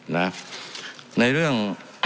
ในเรื่อง